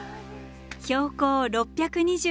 標高６２６ｍ。